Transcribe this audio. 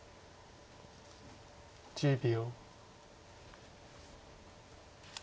１０秒。